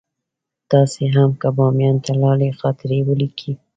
تاسې هم که بامیان ته لاړئ خاطرې ولیکئ.